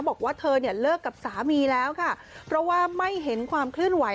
บอกว่าเธอเนี่ยเลิกกับสามีแล้วค่ะเพราะว่าไม่เห็นความเคลื่อนไหว